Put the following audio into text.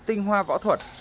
tinh hoa võ thuật